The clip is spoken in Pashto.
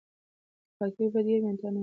پاکې اوبه د ډېرو انتاني ناروغیو مخه نیسي.